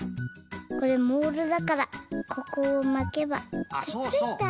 これモールだからここをまけばくっついた！